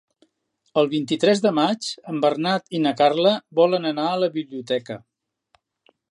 El vint-i-tres de maig en Bernat i na Carla volen anar a la biblioteca.